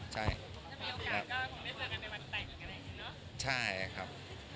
ใช่ครับ